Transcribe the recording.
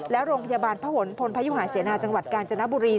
และโรงพยาบาลพระหลพลพยุหาเสนาจังหวัดกาญจนบุรี